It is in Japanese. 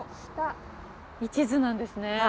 一途なんですね。